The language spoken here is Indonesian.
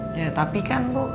ya tapi kan bu